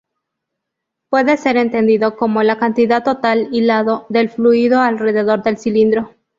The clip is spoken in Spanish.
Puede ser entendido como la cantidad total "hilado" del fluido alrededor del cilindro.